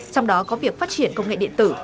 trong đó có việc phát triển công nghệ điện tử